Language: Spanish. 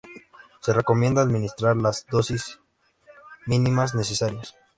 Se recomienda administrar las dosis mínimas necesarias.